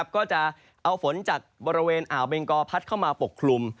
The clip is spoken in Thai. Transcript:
ก็จะเอาฝนจากบริเวณอ่าวเบงกอพัดเข้ามาปกคลุม